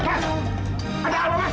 mas ada anggur mas